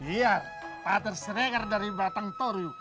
biar pak tersrekar dari batang toriu